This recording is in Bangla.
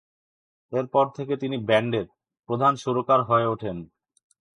এরপর থেকে তিনি ব্যান্ডের প্রধান সুরকার হয়ে ওঠেন।